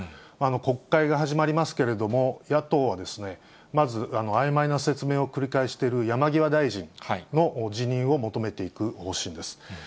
国会が始まりますけれども、野党は、まずあいまいな説明を繰り返している山際大臣の辞任を求めていく方針です。